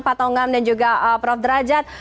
pak tongam dan juga prof derajat